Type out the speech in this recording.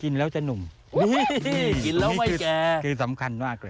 กินแล้วจะหนุ่มนี่คือสำคัญมากเลยมิตี้กินแล้วไม่แก่